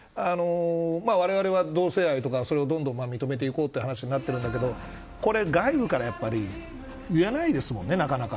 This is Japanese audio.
われわれは同性愛とか、そういうのを認めていこうという話になってるんだけどこれ、外部からやっぱり言えないですもんね、なかなか。